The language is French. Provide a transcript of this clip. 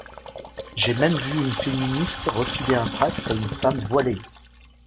J’ai même vu une féministe refiler un tract à une femme voilée.